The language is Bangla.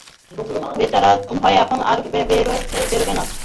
বেচারা ভয়ে এখন আর বেরোবেই না!